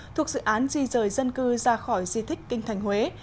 thuộc dự án di rời dân cư ra khỏi di thích kinh thành huế